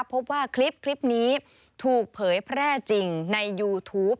พบว่าคลิปนี้ถูกเผยแพร่จริงในยูทูป